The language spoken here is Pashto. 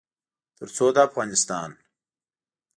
تر څو د افغانستان